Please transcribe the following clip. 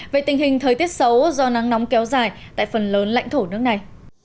về tình hình thời tiết xấu do nắng nóng kéo dài tại phần lớn lãnh thổ nước này